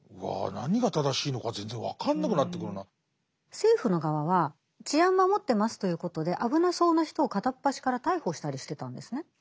政府の側は治安守ってますということで危なそうな人を片っ端から逮捕したりしてたんですね。